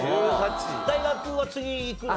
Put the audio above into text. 大学は次行くの？